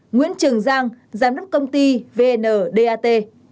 bảy nguyễn trường giang giám đốc công ty vndat